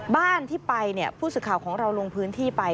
บ้านที่ไปเนี่ยผู้สื่อข่าวของเราลงพื้นที่ไป